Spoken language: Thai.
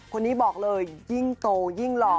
คนนี้บอกเลยยิ่งโตยิ่งหล่อ